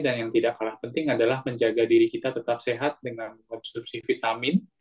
dan yang tidak kalah penting adalah menjaga diri kita tetap sehat dengan konsumsi vitamin